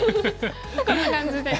こんな感じで。